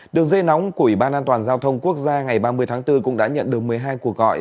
đường dây nóng của ủy ban an toàn giao thông quốc gia ngày ba mươi tháng bốn cũng đã nhận được một mươi hai cuộc gọi